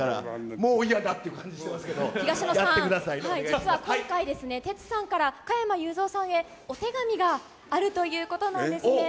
もう嫌だっていう顔してますけど、東野さん、実は今回ですね、徹さんから加山雄三さんへ、お手紙があるということなんですね。